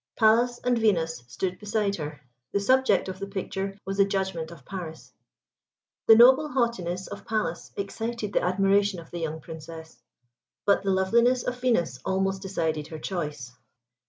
Pallas and Venus stood beside her. The subject of the picture was the Judgment of Paris. The noble haughtiness of Pallas excited the admiration of the young Princess; but the loveliness of Venus almost decided her choice.